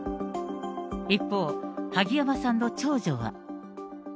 一方、萩山さんの長女は。